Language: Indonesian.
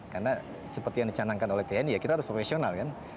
karena seperti yang dicanangkan oleh tni kita harus profesional kan